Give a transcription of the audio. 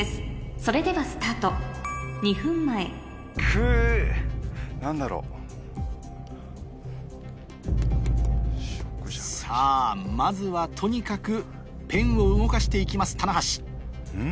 それではスタート２分前さぁまずはとにかくペンを動かして行きます棚橋ん？